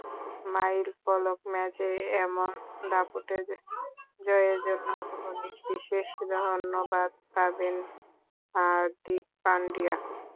মাইলফলক ম্যাচে এমন দাপুটে জয়ের জন্য ধোনির বিশেষ ধন্যবাদ পাবেন হার্দিক পান্ডিয়া।